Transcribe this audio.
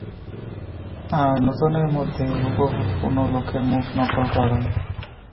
আর নূতনের মধ্যে হুবহু কোন লোকের মুখ নকল করা।